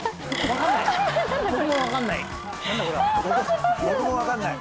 僕も分かんない。